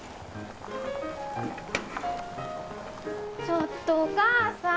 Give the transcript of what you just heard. ちょっとお母さん！